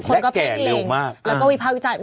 และแก่เร็วมาก